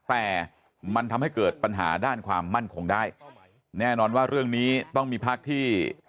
แต่มันทำให้เกิดปัญหาด้านความมั่นคงได้แน่นอนว่าเรื่องนี้ต้องมีพักที่